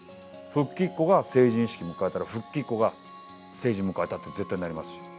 復帰っ子が成人式迎えたら、復帰っ子が成人迎えたって、絶対なりますし。